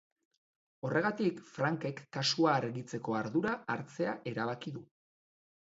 Horregatik, Frankek kasua argitzeko ardura hartzea erabaki du.